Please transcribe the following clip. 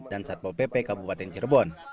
dan satpol pp kabupaten cirebon